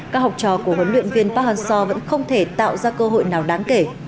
các học trò của huấn luyện viên park hang seo vẫn không thể tạo ra cơ hội nào đáng kể